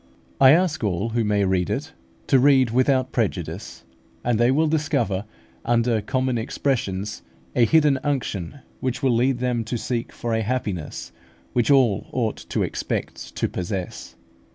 I ask all who may read it, to read without prejudice; and they will discover, under common expressions, a hidden unction, which will lead them to seek for a happiness which all ought to expect to possess.